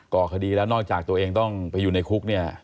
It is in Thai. ก่อคดีแล้วนอกจากตัวเองต้องไปอยู่ในคุกเนี่ย